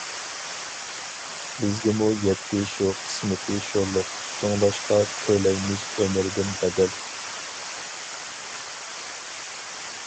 بىزگىمۇ يەتتى شۇ قىسمىتى شورلۇق، شۇڭلاشقا تۆلەيمىز ئۆمۈردىن بەدەل.